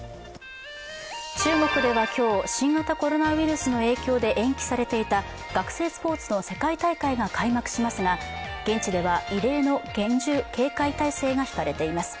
中国では今日、新型コロナウイルスの影響で延期されていた学生スポーツの世界大会が開幕しますが現地では異例の厳戒態勢が敷かれています。